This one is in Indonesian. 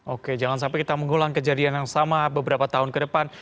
oke jangan sampai kita mengulang kejadian yang sama beberapa tahun ke depan